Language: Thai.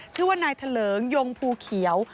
ชื่อว่านายทะเลิงยงภูเขียว